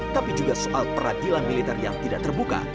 tapi juga soal peradilan militer yang tidak terbuka